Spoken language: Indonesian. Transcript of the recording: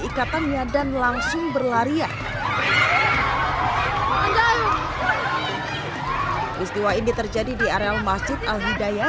ikatannya dan langsung berlarian istiwa ini terjadi di areal masjid alhidayah